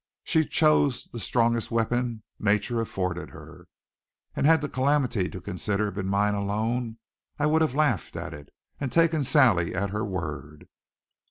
She chose the strongest weapon nature afforded her. And had the calamity to consider been mine alone, I would have laughed at it and taken Sally at her word.